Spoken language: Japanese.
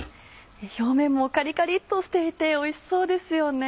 表面もカリカリっとしていておいしそうですよね。